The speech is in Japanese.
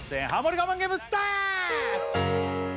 我慢ゲームスタート！